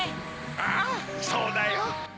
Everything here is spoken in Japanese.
ああそうだよ。